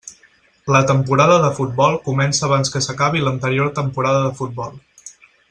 La temporada de futbol comença abans que s'acabi l'anterior temporada de futbol.